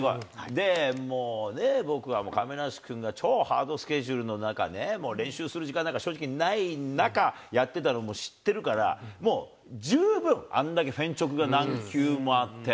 でもね、僕はね、亀梨君が超ハードスケジュールの中ね、練習する時間なんか正直ない中やってたのも知ってるから、もう十分、あんだけフェン直が何球もあって。